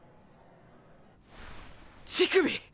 乳首！